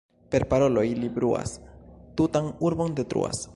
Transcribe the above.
Per paroloj li bruas, tutan urbon detruas.